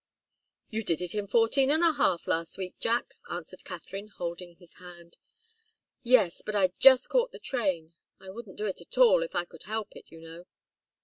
"You did it in fourteen and a half last week, Jack," answered Katharine, holding his hand. "Yes but I just caught the train I wouldn't do it at all, if I could help it, you know."